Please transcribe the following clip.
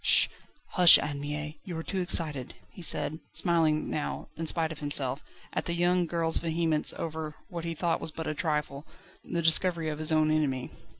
"Sh! Hush, Anne Mie! you are too excited," he said, smiling now, in spite of himself, at the young girl's vehemence over what he thought was but a trifle the discovery of his own enemy.